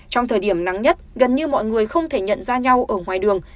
trong thời điểm nắng nhất gần như mọi người không thể nhận ra nhau ở ngoài đường